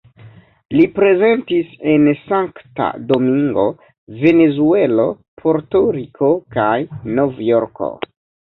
Li prezentis en Sankta Domingo, Venezuelo, Porto-Riko kaj Novjorko.